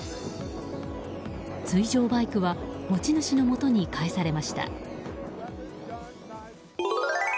水上バイクは持ち主のもとに返されました。